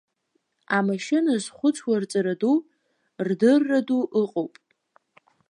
Амашьына зхәыцуа рҵара ду, рдырра ду ыҟоуп.